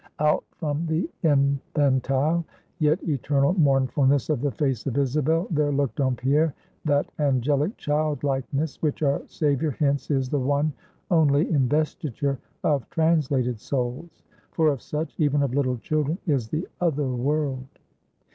Out from the infantile, yet eternal mournfulness of the face of Isabel, there looked on Pierre that angelic childlikeness, which our Savior hints is the one only investiture of translated souls; for of such even of little children is the other world.